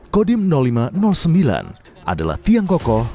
kodim lima ratus sembilan adalah tiang kokoh